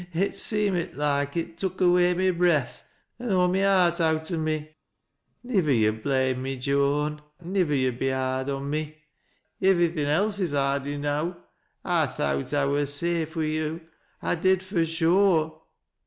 It seemit loike it tuk away my breath, an aw my heart owt o' me. Nivyer yo' blame me, Joan — nivver yo' be hard on me — ivverything else is hard enow. I thowt I wur safe wi' yo'— I did fui sure."